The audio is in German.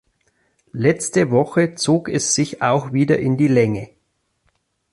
Letzte Woche zog es sich auch wieder in die Länge.